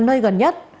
nơi gần nhất